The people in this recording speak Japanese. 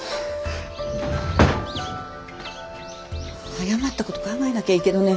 早まった事考えなきゃいいけどね。